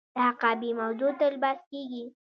د حقابې موضوع تل بحث کیږي.